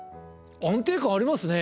安定感ありますね。